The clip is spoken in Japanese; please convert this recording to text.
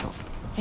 え？